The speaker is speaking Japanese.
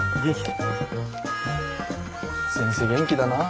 先生元気だなあ。